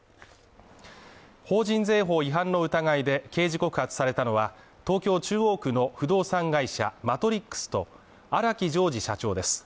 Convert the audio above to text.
法人税法違反の疑いで刑事告発されたのは、東京中央区の不動産会社ＭＡＴＲＩＸと荒木襄治社長です。